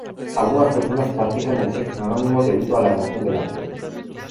Algunas personas practican el sexo anónimo debido a la emoción del acto.